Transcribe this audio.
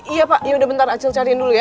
iya pak yaudah bentar acel cariin dulu ya